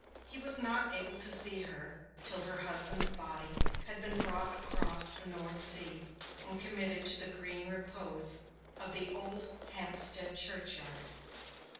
He was not able to see her till her husband's body had been brought across the North Sea and committed to the green repose of the old Hampstead churchyard.